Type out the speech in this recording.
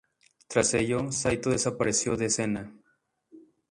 Tras ello, Saito desapareció de escena.